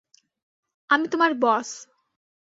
আমি তোমার বস।